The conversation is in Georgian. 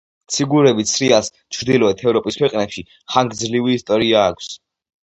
ციგურებით სრიალს ჩრდილოეთ ევროპის ქვეყნებში ხანგძლივი ისტორია აქვს.